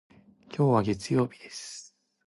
今日は月曜日です。